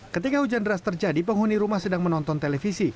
ketika hujan deras terjadi penghuni rumah sedang menonton televisi